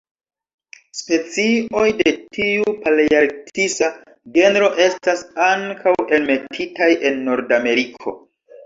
Specioj de tiu palearktisa genro estas ankaŭ enmetitaj en Nordameriko.